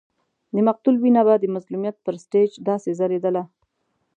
د مقتول وینه به د مظلومیت پر سټېج داسې ځلېدله.